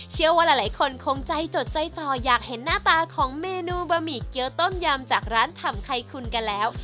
เชื่อว่าหลายคนคงใจจดใจจ่ออยากเห็นหน้าตาของเมนูบะหมี่เกี้ยวต้มยำจากร้านทำไข่คุณกันแล้ว